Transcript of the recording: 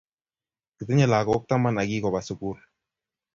Kitinye lakok taman ak kikoba sukul